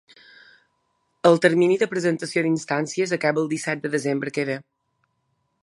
El termini de presentació d’instàncies acaba el disset de desembre que ve.